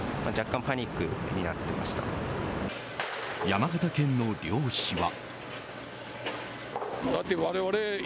山形県の漁師は。